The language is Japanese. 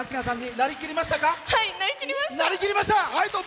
なりきりました！